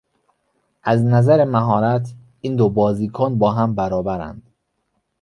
از نظر مهارت این دو بازیکن با هم برابرند.